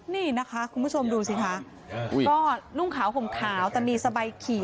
นี่นะคะคุณผู้ชมดูสิคะก็นุ่งขาวห่มขาวแต่มีสบายขี่